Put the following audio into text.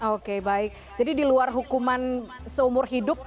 oke baik jadi di luar hukuman seumur hidup